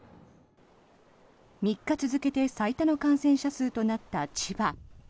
３日続けて最多の感染者数となった千葉。